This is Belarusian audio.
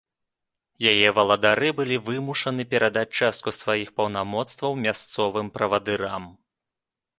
Яе валадары былі вымушаны перадаць частку сваіх паўнамоцтваў мясцовым правадырам.